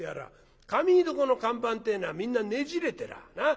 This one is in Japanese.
髪結床の看板ってえのはみんなねじれてらあなあ。